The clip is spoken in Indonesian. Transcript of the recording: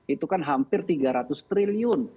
itu kan hampir tiga ratus triliun